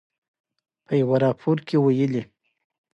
په یوه راپور کې ویلي